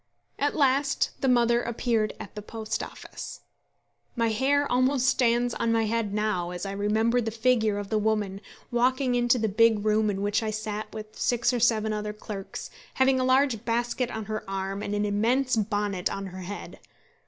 At last the mother appeared at the Post Office. My hair almost stands on my head now as I remember the figure of the woman walking into the big room in which I sat with six or seven other clerks, having a large basket on her arm and an immense bonnet on her head.